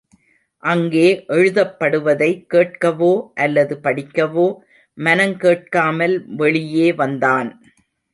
அங்கே எழுதப்படுவதை கேட்கவோ அல்லது படிக்கவோ மனங்கேட்காமல் வெளியே வந்தான்.